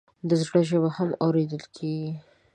د زړه ژبه هم اورېدل کېږي.